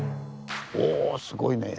おぉすごいね。